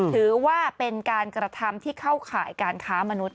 ถือว่าเป็นการกระทำที่เข้าข่ายการค้ามนุษย